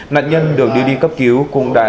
nạn nhân được đưa đi cấp cứu cũng đã